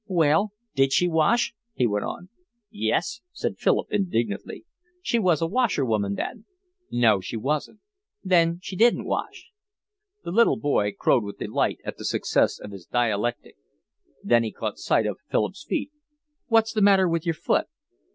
"Well, did she wash?" he went on. "Yes," said Philip indignantly. "She was a washerwoman then?" "No, she wasn't." "Then she didn't wash." The little boy crowed with delight at the success of his dialectic. Then he caught sight of Philip's feet. "What's the matter with your foot?"